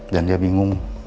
dan dia bingung